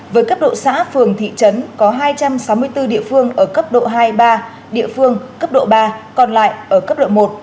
với cấp độ xã phường thị trấn có hai trăm sáu mươi bốn địa phương ở cấp độ hai ba địa phương cấp độ ba còn lại ở cấp độ một